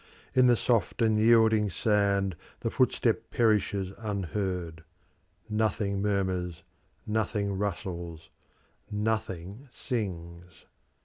In the soft and yielding sand the footstep perishes unheard; nothing murmurs, nothing rustles, nothing sings.